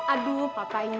aduh papa ini